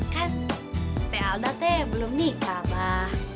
kan teh alda teh belum nikah abah